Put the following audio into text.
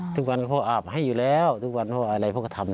ทุกวันเขาอาบให้อยู่แล้วทุกวันเขาอะไรเขาก็ทำ